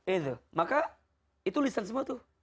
itu maka itu lisan semua tuh